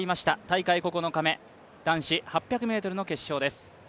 大会９日目、男子８００ｍの決勝です。